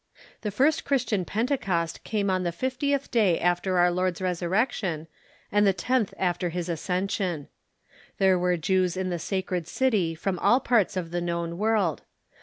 The first Christian Pente cost came on the fiftieth day after our Lord's resurrection and the tenth after his ascension. There were Jews in the sacred city from all parts of the known world.